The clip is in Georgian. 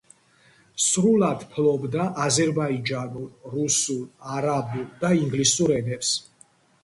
სრულად ფლობდა აზერბაიჯანულ, რუსულ, არაბულ და ინგლისურ ენებს.